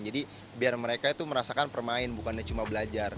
jadi biar mereka merasakan permain bukan cuma belajar